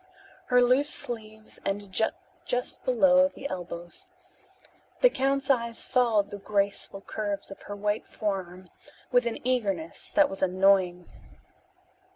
Her loose sleeves ended just below the elbows. The count's eyes followed the graceful curves of her white forearm with an eagerness that was annoying.